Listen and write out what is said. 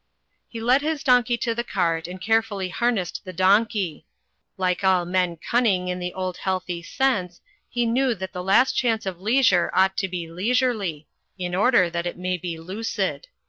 He led his donkey to the cart, and carefully har 156 THE FLYING INN nessed the donkey; like all men cunning in the old healthy sense he knew that the last chance of leisure ought to be leisurely, in order that it may be lucid.